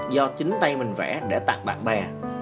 như mình vẽ để tặng bạn bè